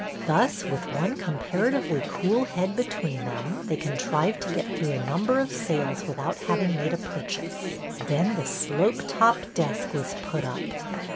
Thus, with one comparatively cool head between them, they contrived to get through a number of sales with out having made a purchase. Then the slope top desk was put up.